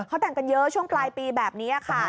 เขาแต่งกันเยอะช่วงปลายปีแบบนี้ค่ะ